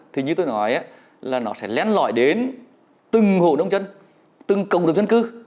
thì như tôi nói là nó sẽ lén lõi đến từng hồ nông dân từng cộng đồng dân cư